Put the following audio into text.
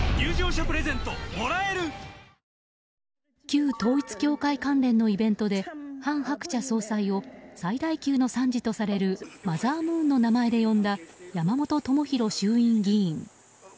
旧統一教会関連のイベントで韓鶴子総裁を最大級の賛辞とされるマザームーンの名前で呼んだ山本朋広衆院議員。